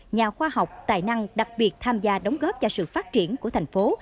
nhà khoa học tài năng đặc biệt tham gia đóng góp cho sự phát triển của thành phố